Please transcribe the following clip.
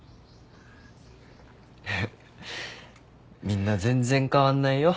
みんな全然変わんないよ。